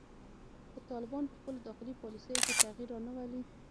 که طالبان په خپلو داخلي پالیسیو کې تغیر رانه ولي